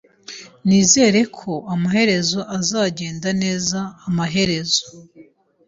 Nizere ko amaherezo azagenda neza amaherezo